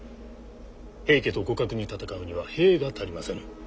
平家と互角に戦うには兵が足りませぬ。